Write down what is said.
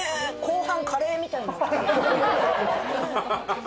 後半カレーみたい。